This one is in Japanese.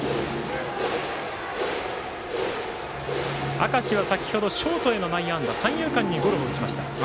明石は先ほどショートへの内野安打三遊間にゴロを打ちました。